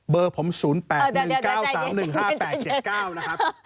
เบอร์ผม๐๘๑๙๓๑๕๘๗๙นะครับ